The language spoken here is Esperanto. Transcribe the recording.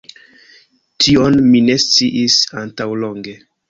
Tion mi ne sciis antaŭlonge